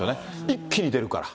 一気に出るから。